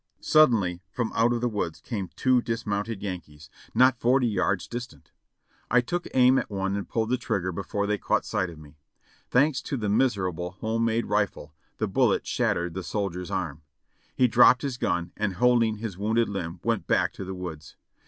Suddenly from out of the woods came two dismounted Yankees, not forty yards distant. I took aim at one and pulled the trigger before they caught sight of me. Thanks to the miserable home made rifle the bullet shattered the soldier's arm. He dropped his gun, and holding his wounded limb went back to the woods.